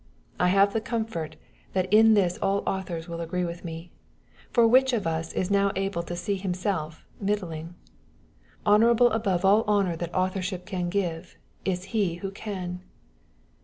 I have the comfort that in this all authors will agree with me, for which of us is now able to see himself middling? Honorable above all honor that authorship can give is he who can.